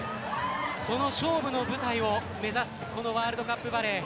その勝負の舞台を目指すこのワールドカップバレー。